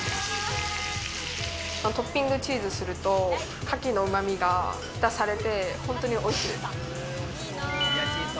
トッピングチーズにするとカキのうまみが蓋されて、本当においしいです。